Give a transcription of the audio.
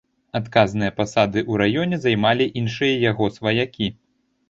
Адказныя пасады ў раёне займалі іншыя яго сваякі.